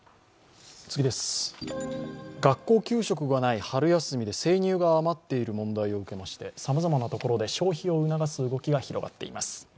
学校給食がない春休みで生乳が余っている問題を受けましてさまざまなところで消費を促す動きが広がっています。